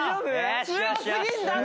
強すぎんだって！